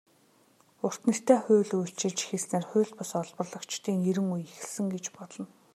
"Урт нэртэй хууль" үйлчилж эхэлснээр хууль бус олборлогчдын эрин үе эхэлсэн гэж болно.